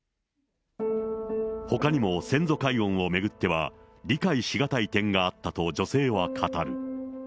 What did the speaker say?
ほかにも先祖解怨を巡っては、理解し難い点があったと、女性は語る。